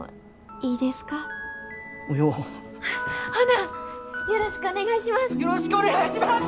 よろしくお願いします！